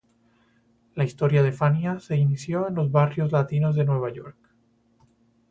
La historia de Fania se inició en los barrios latinos de Nueva York.